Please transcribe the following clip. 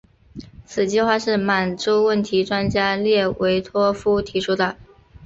此计划是满洲问题专家列维托夫提出的。